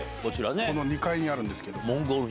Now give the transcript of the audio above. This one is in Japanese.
この２階にあるんですけども。